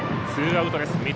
ツーアウトです。